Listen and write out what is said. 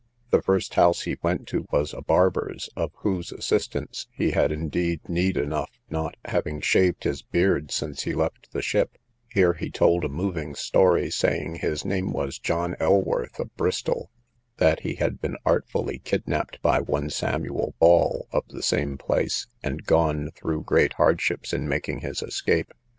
The first house he went to was a barber's, of whose assistance he had indeed need enough, not having shaved his beard since he left the ship: here he told a moving story, saying his name was John Elworth, of Bristol; that he had been artfully kidnapped by one Samuel Ball, of the same place, and gone through great hardships in making his escape.